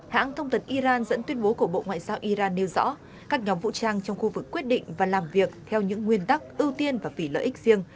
hãng thông tấn iran dẫn tuyên bố của bộ ngoại giao iran nêu rõ các nhóm vũ trang trong khu vực quyết định và làm việc theo những nguyên tắc ưu tiên và vì lợi ích riêng